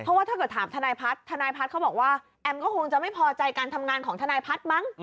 เพราะว่าถ้าเกิดถามทนายพัฒน์ทนายพัฒน์เขาบอกว่าแอมก็คงจะไม่พอใจการทำงานของทนายพัฒน์มั้ง